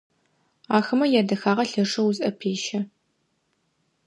Ахэмэ ядэхагъэ лъэшэу узыӏэпещэ.